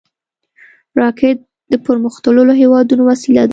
راکټ د پرمختللو هېوادونو وسیله ده